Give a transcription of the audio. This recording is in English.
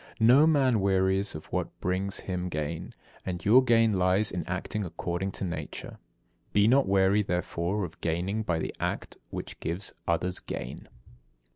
74. No man wearies of what brings him gain, and your gain lies in acting according to nature. Be not weary, therefore, of gaining by the act which gives others gain.